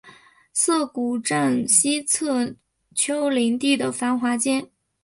涩谷站西侧丘陵地的繁华街。